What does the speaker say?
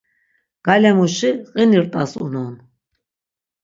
Galemuşi qini rt̆as unon.